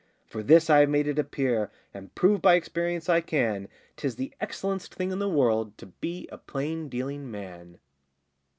For this I have made it appear, And prove by experience I can, 'Tis the excellen'st thing in the world To be a plain dealing man.